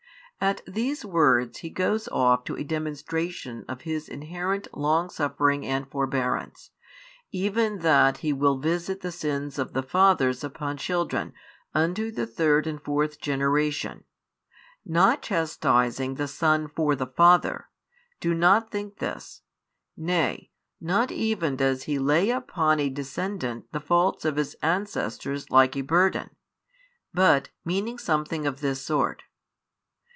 At these words He goes off to a demonstration of His inherent longsuffering and forbearance, even that He will visit the sins of the fathers upon children unto the third and fourth generation: not chastising the son for the father; do not think this: nay, not even does He lay upon a descendant the faults of his ancestors like a burden: but meaning something of this sort.